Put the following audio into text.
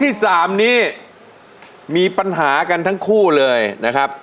ทุกรักษาเกี่ยวของพี่ปุ๊บทั้งคลิปและลูกด้านแล้ว